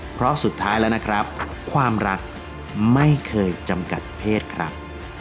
เพราะสุดท้ายแล้วนะครับความรักไม่เคยจำกัดเพศครับ